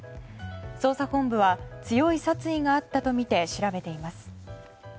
捜査本部は強い殺意があったとみて調べています。